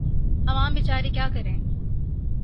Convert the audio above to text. عوام بیچارے کیا کریں۔